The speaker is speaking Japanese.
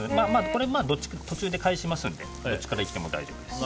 途中で返しますのでどっちからいっても大丈夫です。